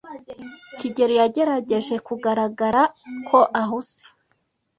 kigeli yagerageje kugaragara ko ahuze,